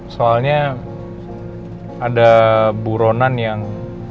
soalnya ada bu ronan yang